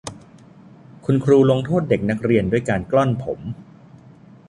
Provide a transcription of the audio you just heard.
คุณครูลงโทษเด็กนักเรียนด้วยการกล้อนผม